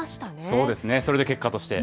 そうですね、それで結果として。